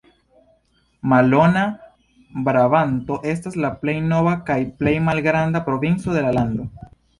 Valona Brabanto estas la plej nova kaj plej malgranda provinco de la lando.